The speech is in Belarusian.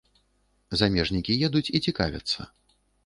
Замежнікі едуць і цікавяцца.